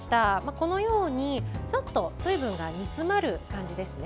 このように、ちょっと水分が煮詰まる感じですね。